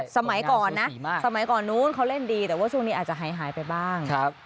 สมัยก่อนนะสมัยก่อนนู้นเขาเล่นดีแต่ว่าช่วงนี้อาจจะหายไปบ้าง